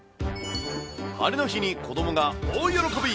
晴れの日に子どもが大喜び。